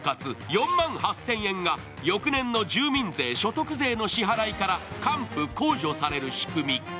４万８０００円が翌年の住民税、所得税の支払いから還付・控除される仕組み。